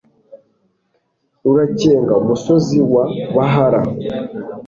rukarenga umusozi wa bahala